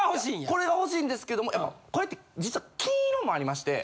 これが欲しいんですけどもこれって実は金色もありまして。